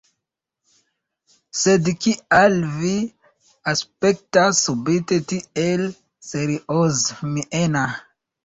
Sed kial vi aspektas subite tiel seriozmiena?